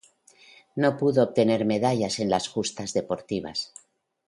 No pudo obtener medallas en las justas deportivas.